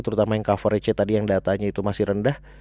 terutama yang coveragenya tadi yang datanya itu masih rendah